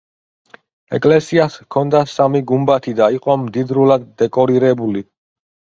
ეკლესიას ჰქონდა სამი გუმბათი და იყო მდიდრულად დეკორირებული.